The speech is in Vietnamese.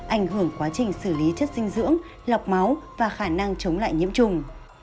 ảnh hưởng quá trình xử lý chất dinh dưỡng lọc máu và khả năng chống lại nhiễm trùng